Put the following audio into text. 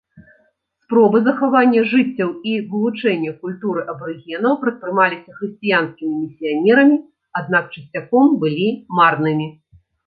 Спробы захавання жыццяў і вывучэння культуры абарыгенаў прадпрымаліся хрысціянскімі місіянерамі, аднак часцяком былі марнымі.